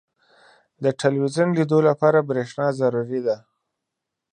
• د ټلویزیون لیدو لپاره برېښنا ضروري ده.